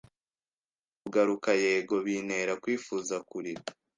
ukomeza kugarukaYego, bintera kwifuza kurira